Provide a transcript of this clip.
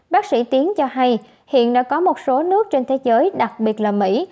bác sĩ tiến cho hay hiện đã có một số nước trên thế giới đặc biệt là mỹ